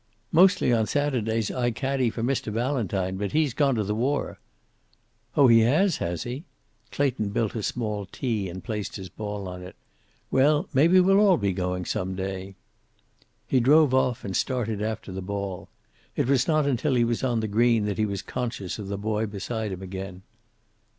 "Mostly on Saturdays I caddie for Mr. Valentine. But he's gone to the war." "Oh, he has, has he?" Clayton built a small tee, and placed his ball on it. "Well, maybe we'll all be going some day." He drove off and started after the ball. It was not until he was on the green that he was conscious of the boy beside him again.